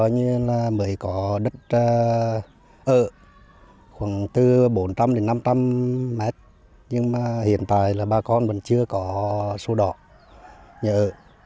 nhưng mà hiện tại là bà con vẫn chưa có số đỏ nhà ở